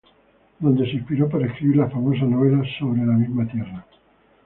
Donde se inspiró para escribir la famosa novela "Sobre la misma tierra".